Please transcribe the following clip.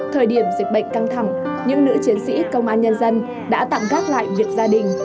thời điểm dịch bệnh căng thẳng những nữ chiến sĩ công an nhân dân đã tặng gác lại việc gia đình